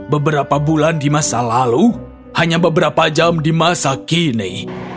beberapa bulan di masa lalu hanya beberapa jam di masa kini